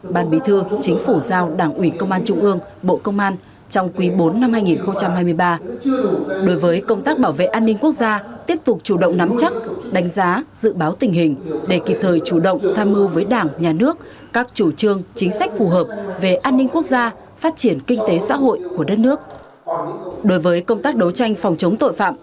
bàn bí thư chính phủ giao đảng ủy công an trung ương bộ công an trong quý bốn năm hai nghìn hai mươi ba